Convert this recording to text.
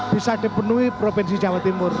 bisa dipenuhi provinsi jawa timur